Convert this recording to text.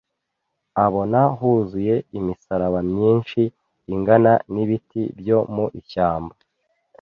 abona huzuye imisaraba myinshi ingana n'ibiti byo mu ishyamba.